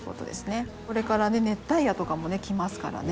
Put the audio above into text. これから熱帯夜とかも来ますからね。